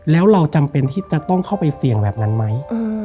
แล้วเราจำเป็นที่จะต้องเข้าไปเสี่ยงแบบนั้นไหม